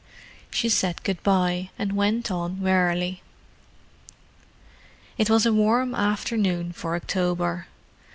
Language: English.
She said good bye, and went on wearily. It was a warm afternoon for October.